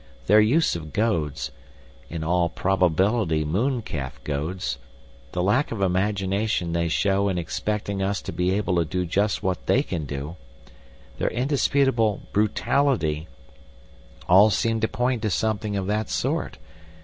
Their use of goads—in all probability mooncalf goads—the lack of imagination they show in expecting us to be able to do just what they can do, their indisputable brutality, all seem to point to something of that sort.